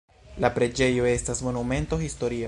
La preĝejo estas monumento historia.